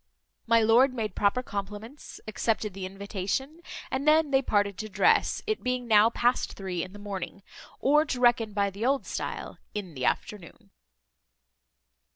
My lord made proper compliments, accepted the invitation, and then they parted to dress, it being now past three in the morning, or to reckon by the old style, in the afternoon.